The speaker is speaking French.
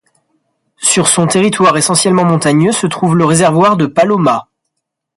Sur son territoire essentiellement montagneux se trouve le réservoir de Paloma.